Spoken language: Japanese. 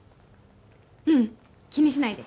ううん、気にしないで。